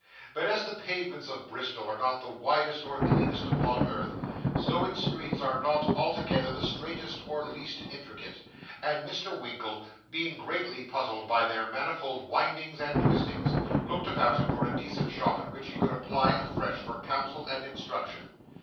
But as the pavements of Bristol are not the widest or cleanest upon earth, so its streets are not altogether the straightest or least intricate; and Mr. Winkle, being greatly puzzled by their manifold windings and twistings, looked about him for a decent shop in which he could apply afresh for counsel and instruction.